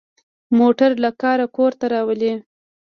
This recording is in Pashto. موټر له کاره کور ته راولي.